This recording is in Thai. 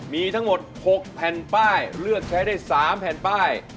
มีทั้งหมด๖แผ่นป้ายเลือกใช้ได้๓แผ่นป้าย